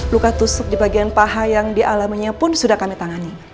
luka tusuk di bagian paha yang dialaminya pun sudah kami tangani